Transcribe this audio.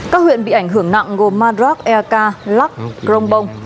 các huyện bị ảnh hưởng nặng gồm madrak erka lắc grongbong